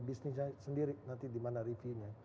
bisnisnya sendiri nanti dimana reviewnya